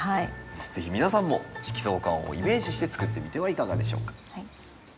是非皆さんも色相環をイメージして作ってみてはいかがでしょうか。